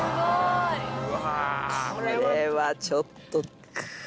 これはちょっと。